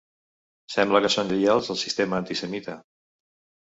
Sembla que són lleials al sistema antisemita.